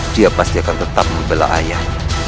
dia pasti akan tetap membela ayah